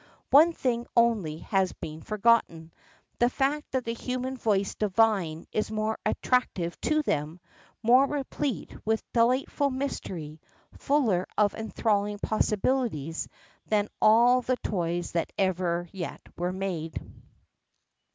One thing only has been forgotten: the fact that the human voice divine is more attractive to them, more replete with delightful mystery, fuller of enthralling possibilities than all the toys that ever yet were made.